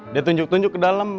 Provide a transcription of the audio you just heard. dia tunjuk tunjuk ke dalam